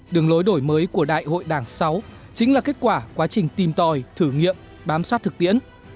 đường lối đổi mới của đại hội đảng sáu chính là kết quả quá trình tìm tòi thử nghiệm bám sát thực tiễn